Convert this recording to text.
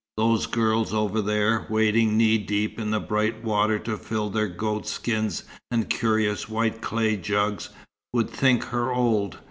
Those girls over there, wading knee deep in the bright water to fill their goatskins and curious white clay jugs, would think her old.